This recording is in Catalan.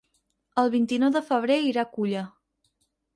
El vint-i-nou de febrer irà a Culla.